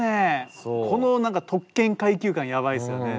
この何か特権階級感やばいっすよね。